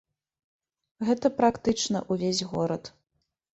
Гэта практычна ўвесь горад.